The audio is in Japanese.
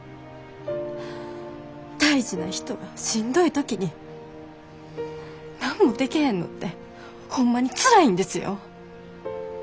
大事な人がしんどい時に何もでけへんのってホンマにつらいんですよ。